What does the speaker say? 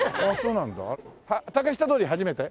竹下通り初めて？